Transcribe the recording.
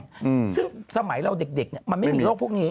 ซึ่งสมัยเราเด็กมันไม่มีโรคพวกนี้